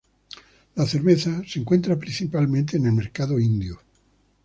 La cerveza se encuentra principalmente en el mercado indio.